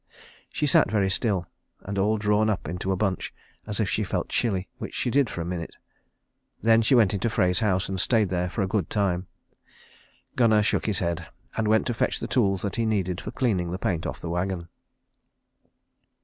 She sat very still, and all drawn up into a bunch, as if she felt chilly, which she did for a minute. Then she went into Frey's house and stayed there for a good time. Gunnar shook his head, and went to fetch the tools that he needed for cleaning the paint off the wagon.